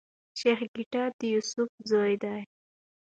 شېخ ګټه د يوسف زوی دﺉ.